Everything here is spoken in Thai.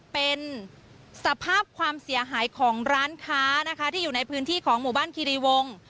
เป็นสภาพความเสียหายของร้านค้านะคะที่อยู่ในพื้นที่ของหมู่บ้านคิริวงศ์